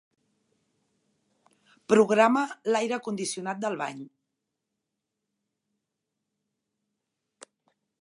Programa l'aire condicionat del bany.